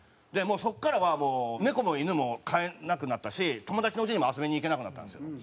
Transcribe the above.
そこからはもう猫も犬も飼えなくなったし友達のうちにも遊びに行けなくなったんですよ。